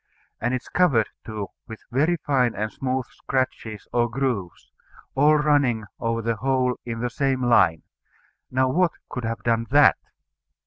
And it is covered, too, with very fine and smooth scratches or grooves, all running over the whole in the same line. Now what could have done that?